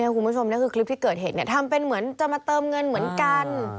คุณผู้ชมนี่คือคลิปที่เกิดเหตุทำเป็นเหมือนจะมาเติมเงินเหมือนกัน